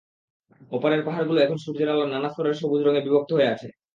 ওপারের পাহাড়গুলো এখন সূর্যের আলোয় নানা স্তরের সবুজ রঙে বিভক্ত হয়ে আছে।